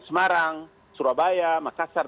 semarang surabaya makassar